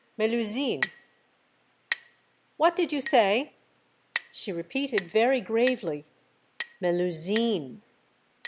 '' Melusine —" ''What did you say?" She repeated very gravely, '' Melusine."